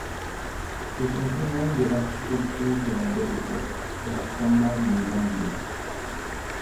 C'est un témoin de l'architecture de la Belle Époque sur la promenade des Anglais.